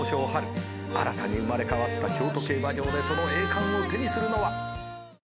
新たに生まれ変わった京都競馬場でその栄冠を手にするのは。